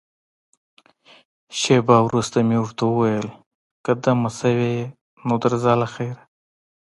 شېبه وروسته مې ورته وویل، که دمه شوې یې، نو درځه له خیره.